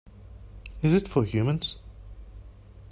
Is it for humans?